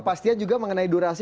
kepastian juga mengenai durasi